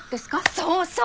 そうそう！